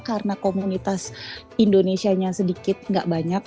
karena komunitas indonesia sedikit nggak banyak